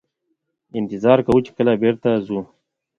انتظار کوو چې کله به بیرته ځو.